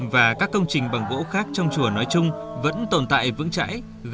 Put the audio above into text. và các công trình bằng gỗ khác trong chùa nói chung vẫn tồn tại vững trãi